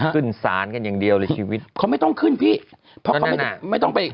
ขึ้นสารกันอย่างเดียวเลยชีวิตเขาไม่ต้องขึ้นพี่เพราะไม่ต้องไป